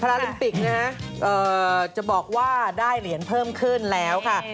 ลาลิมปิกนะฮะจะบอกว่าได้เหรียญเพิ่มขึ้นแล้วค่ะ